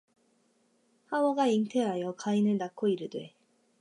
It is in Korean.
하와가 잉태하여 가인을 낳고 이르되